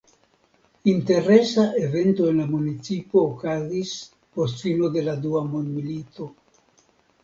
Interesa evento en la municipo okazis post fino de la dua mondmilito.